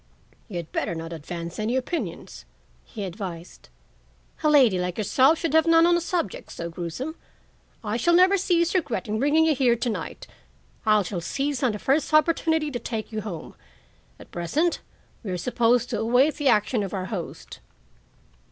"You had better not advance any opinions," he advised. "A lady like yourself should have none on a subject so gruesome. I shall never cease regretting bringing you here tonight. I shall seize on the first opportunity to take you home. At present we are supposed to await the action of our host."